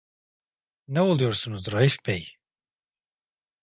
Ne oluyorsunuz Raif bey?